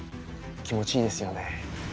気持ちいいですよね。